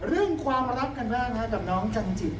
เรื่องความรักกันบ้างกับน้องจันจิ